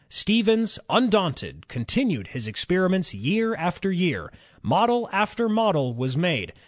Stevens, undaunted, continued his experiments year after year. Model after model was made.